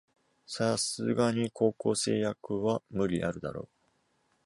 さすがに高校生役は無理あるだろ